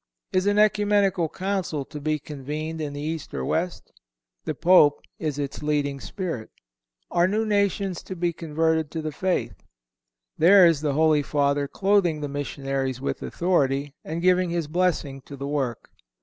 Is an Ecumenical Council to be convened in the East or West? The Pope is its leading spirit. Are new nations to be converted to the faith? There is the Holy Father clothing the missionaries with authority, and giving his blessing to the work.